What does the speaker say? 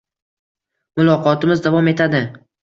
Muloqotimiz davom etadi.